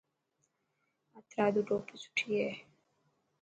هٿرادو ٽوپي سٺي هي.